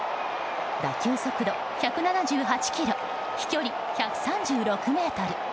打球速度１７８キロ飛距離１３６ｍ。